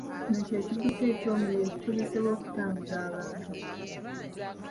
Kino kye kidduka eky’omuliro ekikozesebwa okutambuza abantu.